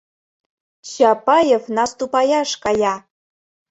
Чапаев наступаяш кая!